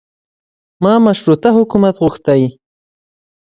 ما مشروطه حکومت غوښتی.